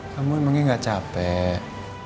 kamu emangnya gak capek